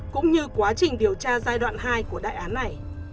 cũng như quá trình điều tra giai đoạn hai của đại án này